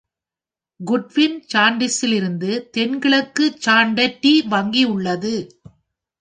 Goodwin சாண்ட்ஸிலிருந்து தென்கிழக்கு சாண்டெட்டி வங்கி உள்ளது.